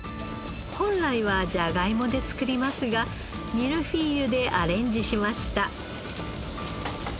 本来はジャガイモで作りますがミルフィーユでアレンジしました。